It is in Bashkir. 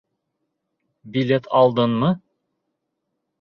Билет алдыңмы?